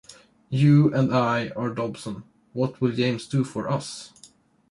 You and I are Dobson; what will James do for us?